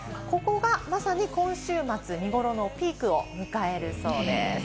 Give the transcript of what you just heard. そこがまさに今週末、見頃のピークを迎えるそうです。